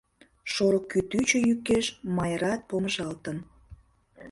Шорык кӱтӱчӧ йӱкеш Майрат помыжалтын.